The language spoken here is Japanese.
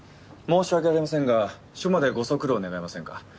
申し訳ありませんが署までご足労願えませんか？